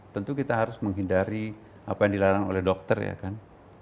tentu kita harus menghindari apa yang dilarang oleh dokter ya kan